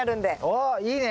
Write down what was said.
おっいいね！